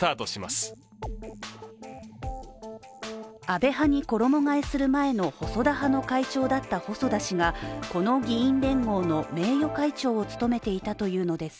安倍派に衣がえする前の細田派の会長だった細田氏がこの議員連合の名誉会長を務めていたというのです。